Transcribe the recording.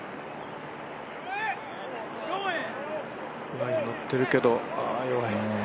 ライン乗ってるけど、ああ弱い。